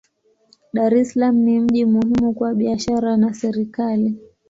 Dar es Salaam ni mji muhimu kwa biashara na serikali.